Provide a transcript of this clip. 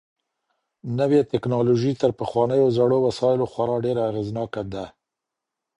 نوې ټکنالوژي تر پخوانيو زړو وسايلو خورا ډېره اغېزناکه ده.